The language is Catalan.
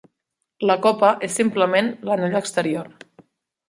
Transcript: La copa és simplement l'anell exterior.